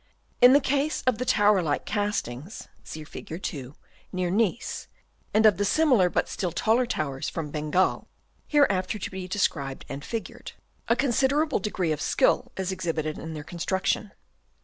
In the case of the tower like castings (see Fig. 2) near Nice, and of the similar but still taller towers from Bengal (hereafter to be described and figured), a considerable degree of skill is exhibited in their construction.